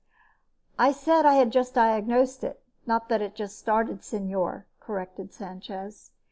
"I said I had just diagnosed it, not that it had just started, señor," corrected Sanchez.